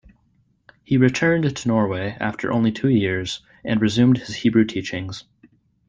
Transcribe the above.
He returned to Norway after only two years, and resumed his Hebrew teachings.